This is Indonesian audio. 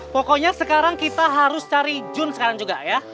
pokoknya sekarang kita harus cari jun sekarang juga ya